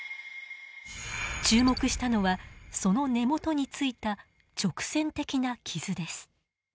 注目したのはその根元についた直線的な傷です。